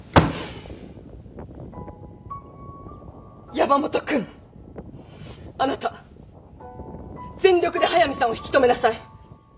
山本君あなた全力で速見さんを引き留めなさい。